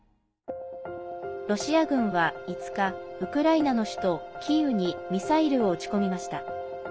ロシア軍は５日ウクライナの首都キーウにミサイルを撃ち込みました。